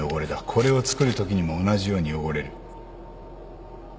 これを作るときにも同じように汚れる。